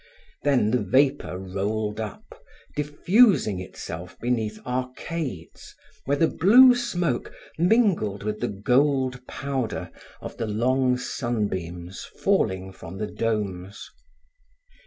Then the vapor rolled up, diffusing itself beneath arcades where the blue smoke mingled with the gold powder of the long sunbeams falling from the domes.